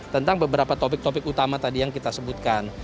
tentang beberapa topik topik utama tadi yang kita sebutkan